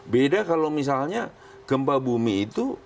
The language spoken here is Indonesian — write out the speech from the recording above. beda kalau misalnya gempa bumi itu